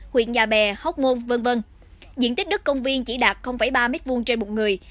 huyện nhà bè hóc môn v v diện tích đất công viên chỉ đạt ba m hai trên một người